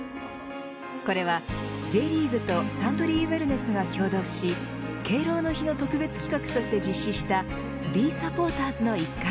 これはＪリーグとサントリーウエルネスが協働し敬老の日の特別企画として実施したＢｅｓｕｐｐｏｒｔｅｒｓ！の一環。